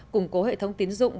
củng cố hệ thống tín dụng